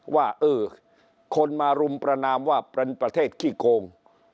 ว่าเออคนมารุมประนามว่าเป็นประเทศขี้โกง